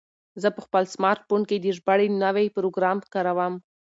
زه په خپل سمارټ فون کې د ژباړې نوی پروګرام کاروم.